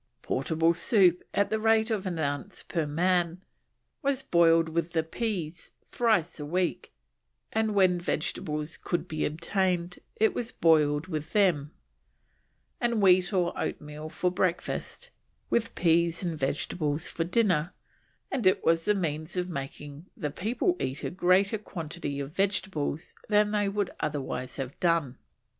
Portable soup, at the rate of an ounce per man, was boiled with the pease thrice a week, and when vegetables could be obtained it was boiled with them, and wheat or oatmeal for breakfast, and with pease and vegetables for dinner, and "was the means of making the people eat a greater quantity of vegetables than they would otherwise have done."